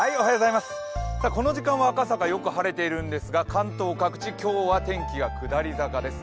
この時間は赤坂よく晴れているんですが関東各地、今日は天気が下り坂です。